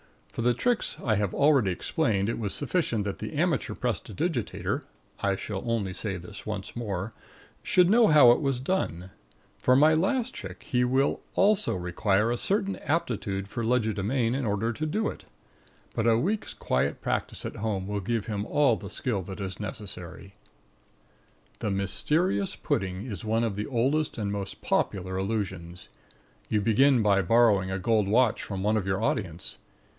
For the tricks I have already explained it was sufficient that the amateur prestidigitator (I shall only say this once more) should know how it was done; for my last trick he will also require a certain aptitude for legerdemain in order to do it. But a week's quiet practice at home will give him all the skill that is necessary. THE MYSTERIOUS PUDDING is one of the oldest and most popular illusions. You begin by borrowing a gold watch from one of your audience.